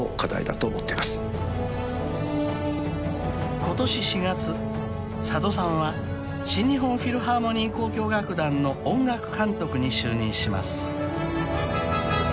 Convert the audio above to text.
［ことし４月佐渡さんは新日本フィルハーモニー交響楽団の音楽監督に就任します］